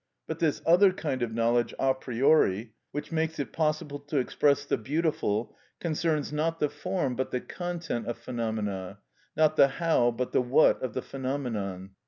But this other kind of knowledge a priori, which makes it possible to express the beautiful, concerns, not the form but the content of phenomena, not the how but the what of the phenomenon.